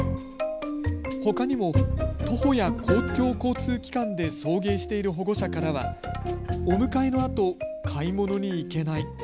ほかにも徒歩や公共交通機関で送迎している保護者からはお迎えのあと、買い物に行けない。